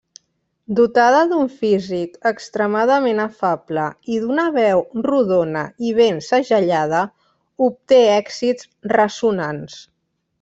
Dotada d'un físic extremadament afable i d'una veu rodona i ben segellada, obté èxits ressonants.